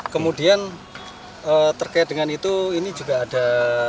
kemudian terkait dengan itu ini juga ada